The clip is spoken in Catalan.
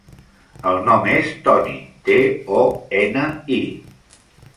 El nom és Toni: te, o, ena, i.